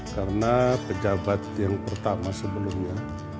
karena pejabat yang pertama sebelumnya